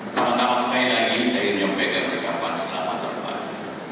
pertama sekali lagi saya menyampaikan ucapan selamat pagi